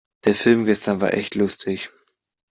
Der Film gestern war echt lustig.